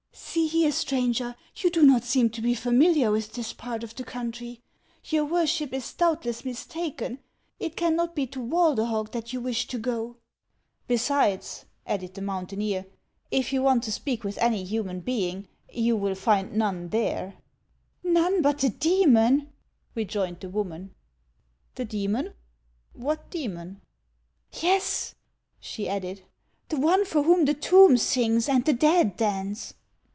" See here, stranger ; you do not seem to be familiar with this part of the country. Your worship is doubt less mistaken ; it cannot be to Walderhog that you wish to go." " Besides," added the mountaineer, " if you want to speak with any human being, you will find none there." " Xone but the demon," rejoined the woman. " The demon ! What demon ?" "Yes," she added; "the one for whom the tomb sings and the dead dance."